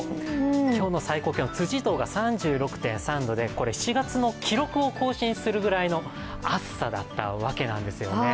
今日の最高気温、辻堂が３６．３度で７月の記録を更新するぐらいの暑さだったわけなんですよね。